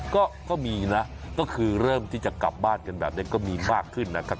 ก็มีนะก็คือเริ่มที่จะกลับบ้านกันแบบนี้ก็มีมากขึ้นนะครับ